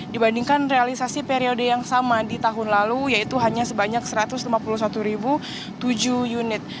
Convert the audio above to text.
dibandingkan realisasi periode yang sama di tahun lalu yaitu hanya sebanyak satu ratus lima puluh satu tujuh unit